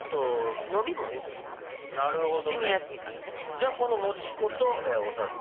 じゃあこのもち粉とお砂糖。